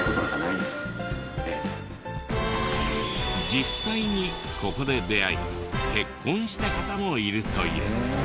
実際にここで出会い結婚した方もいるという。